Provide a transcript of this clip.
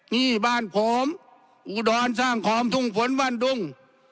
นี่บ้านผมอุดรสร้างคอมทุ่งฝนบ้านดุง